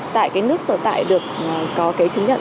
tại nước sở tại được có chứng nhận